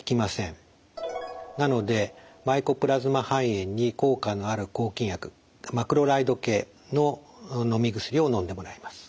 なのでマイコプラズマ肺炎に効果のある抗菌薬マクロライド系ののみ薬をのんでもらいます。